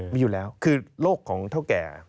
มีอยู่แล้วคือโรคของเท่าแก่